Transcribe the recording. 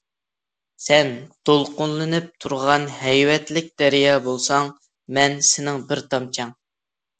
سەن دولقۇنلىنىپ تۇرغان ھەيۋەتلىك دەريا بولساڭ، مەن سېنىڭ بىر تامچەڭ.